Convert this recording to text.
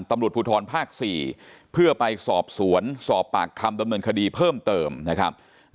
ตำรวจภูทรภาค๔เพื่อไปสอบสวนสอบปากคำดำเนินคดีเพิ่มเติมนะครับ